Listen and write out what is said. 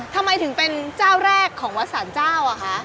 ทำไมถึงเป็นเจ้าแรกของวัดสารเจ้าอ่ะคะ